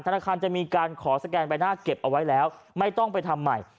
ธนาคารจะมีการขอสแกนใบหน้าเก็บเอาไว้แล้วไม่ต้องไปทำใหม่